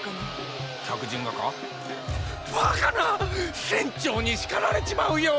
客人がか⁉バカな船長に叱られちまうよォ！